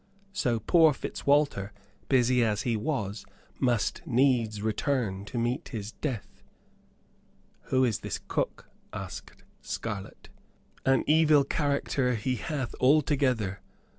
So poor Fitzwalter, busy as he was, must needs return to meet his death." "Who is this cook?" asked Scarlett. "An evil character, he hath altogether.